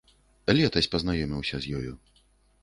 Летась пазнаёміўся з ёю.